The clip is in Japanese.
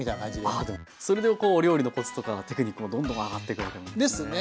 あでもそれでこうお料理のコツとかテクニックもどんどん上がっていくような感じですね。ですね。